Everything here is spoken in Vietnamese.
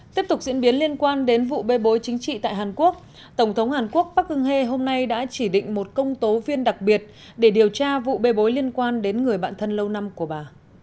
tiếp tục diễn biến liên quan đến vụ bê bối chính trị tại hàn quốc tổng thống hàn quốc park hang he hôm nay đã chỉ định một công tố viên đặc biệt để điều tra vụ bê bối liên quan đến người bạn thân lâu năm của bà